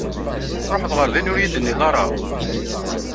Tṛuḥeḍ ɣer din ur iyi-d-tenniḍ ara!